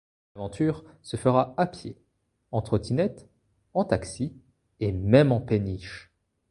L’aventure se fera à pied, en trottinette, en taxi… et même en péniche!!